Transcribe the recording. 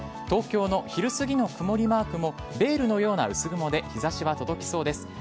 東京の昼すぎの曇りマークもベールのような薄雲で日差しは届きそうです。